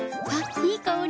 いい香り。